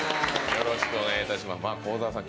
よろしくお願いいたします幸澤さん